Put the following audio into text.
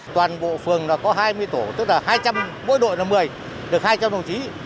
toàn bộ phường có hai mươi tổ tức là hai trăm linh mỗi đội là một mươi được hai trăm linh đồng chí